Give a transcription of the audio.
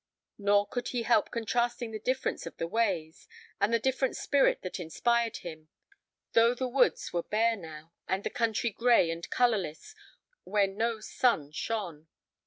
Nor could he help contrasting the difference of the ways, and the different spirit that inspired him, though the woods were bare now, and the country gray and colorless when no sun shone.